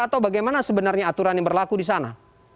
atau bagaimana sebenarnya aturan yang berlaku di sana